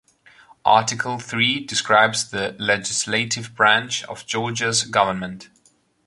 Article Three describes the Legislative Branch of Georgia's government.